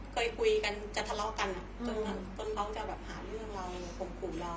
เคยคุยกันจะทะเลาะกันจนเขาจะแบบหาเรื่องเราข่มขู่เรา